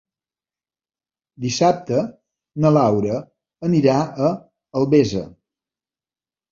Dissabte na Laura anirà a Albesa.